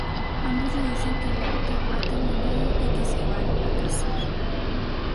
Ambos le dicen que el acto ha terminado y que se van a casar.